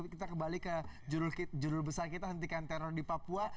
kita kembali ke judul besar kita hentikan teror di papua